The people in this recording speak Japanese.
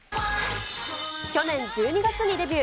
去年１２月にデビュー。